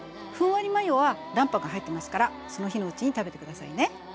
ふんわりマヨは卵白入ってますからその日のうちに食べて下さいね。